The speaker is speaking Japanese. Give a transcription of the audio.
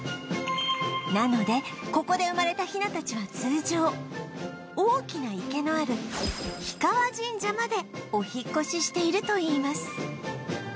なのでここで生まれたヒナたちは通常大きな池のある氷川神社までお引っ越ししているといいます